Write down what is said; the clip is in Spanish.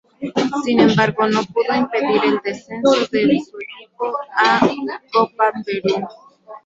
Sin embargo, no pudo impedir el descenso del su equipo a Copa Perú.